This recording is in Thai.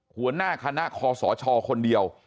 หัวหน้าคณะคอสชคนเดียว